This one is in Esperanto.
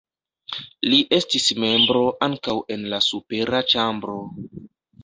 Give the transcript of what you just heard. Li estis membro ankaŭ en la supera ĉambro.